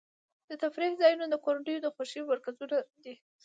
د تفریح ځایونه د کورنیو د خوښۍ مرکزونه دي.